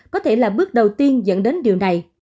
có thể là bước đầu tiên dẫn đến điều này